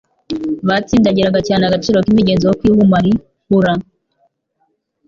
Batsindagirizaga cyane agaciro k'imigenzo yo kwihumariura.